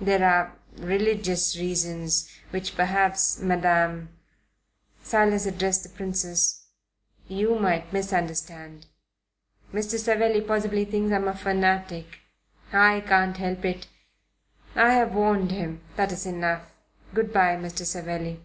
There are religious reasons, which perhaps, Madam" Silas addressed the Princess "you might misunderstand. Mr. Savelli possibly thinks I am a fanatic. I can't help it. I have warned him. That is enough. Good bye, Mr. Savelli."